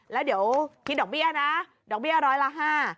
แล้วเดี๋ยวคิดดอกเบี้ยนะดอกเบี้ยร้อยละห้า